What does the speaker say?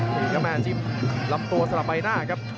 นี่ก็แม่จิ๊มลำตัวสลับไปหน้าครับ